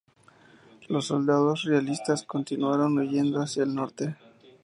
Los soldados realistas continuaron huyendo hacia el norte.